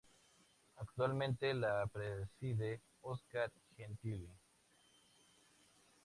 Actualmente la preside Oscar Gentili.